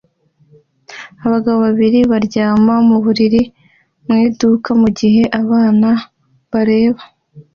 Abagabo babiri baryama mu buriri mu iduka mugihe abana bareba